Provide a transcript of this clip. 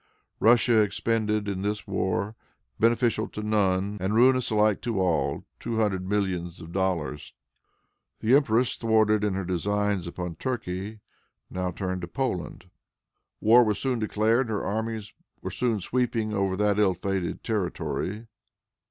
Russia expended in this war, beneficial to none and ruinous alike to all, two hundred millions of dollars. The empress, thwarted in her designs upon Turkey, now turned to Poland. War was soon declared, and her armies were soon sweeping over that ill fated territory.